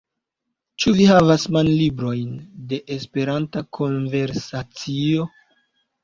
Ĉu vi havas manlibrojn de esperanta konversacio?